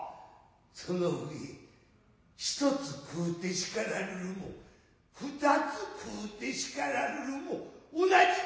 その上一つ食うて叱らるるも二つ食うて叱らるるも同じことじゃ。